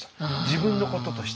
自分のこととして。